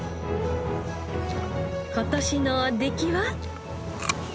今年の出来は？